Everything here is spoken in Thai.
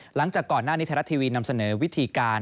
หลังจากก่อนหน้านี้ไทยรัฐทีวีนำเสนอวิธีการ